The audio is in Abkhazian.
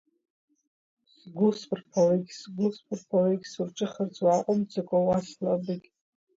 Сгәы-сԥарԥалыкь, сгәы-сԥарԥалыкь, сурҿыхарц уааҟәымҵӡакәа уасла абыкь!